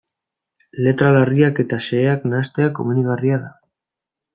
Letra larriak eta xeheak nahastea komenigarria da.